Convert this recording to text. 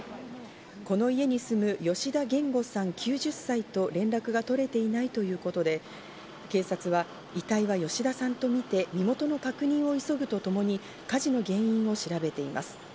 この家に住む、吉田源吾さん９０歳と連絡がとれていないということで、警察は、遺体は吉田さんとみて、身元の確認を急ぐとともに、火事の原因を調べています。